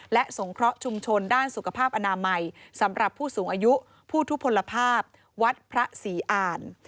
และสงเคราะห์ชุมชนด้านสุขภาพอนามัยสำหรับผู้สูงอายุผู้ทุพลภาพวัดพระศรีอ่าน